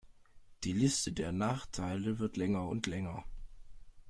Die Liste der Nachteile wird länger und länger.